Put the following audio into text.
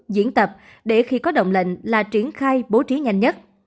diễn tập để khi có động lệnh là triển khai bố trí nhanh nhất